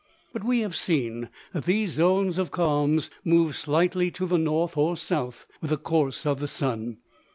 But we have seen that these zones of calms move slightly to the north or south with the course of the sun.